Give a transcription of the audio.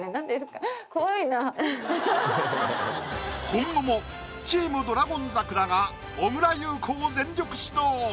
今後もチーム「ドラゴン桜」が小倉優子を全力指導！